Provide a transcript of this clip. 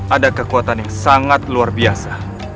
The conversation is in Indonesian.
ada kekuatan yang sangat luar biasa